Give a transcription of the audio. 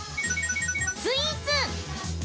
○○スイーツ。